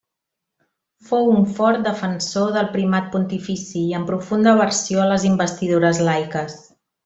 Fou un fort defensor del primat pontifici i amb profunda aversió a les investidures laiques.